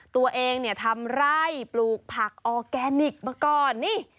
ตัวเองเนี่ยทำไร่ปลูกผักออร์แกนิคมาก่อนนี่